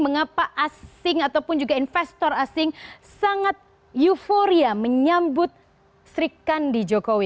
mengapa asing ataupun juga investor asing sangat euforia menyambut sri kandi jokowi